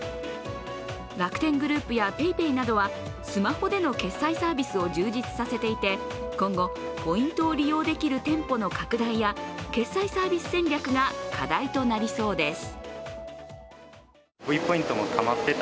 楽天グループやＰａｙＰａｙなどはスマホでの決済サービスを充実させていて、今後、ポイントを利用できる店舗の拡大や決済サービス戦略が課題となりそうです。